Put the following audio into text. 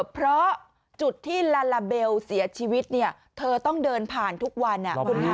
เพราะจุดที่ลาลาเบลเสียชีวิตเธอต้องเดินผ่านทุกวัน